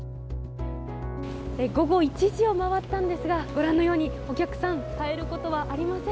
午後１時を回ったんですがご覧のように、お客さんたえることはありません。